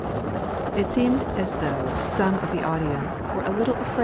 It seemed as though some of the audience were a little afraid of 3.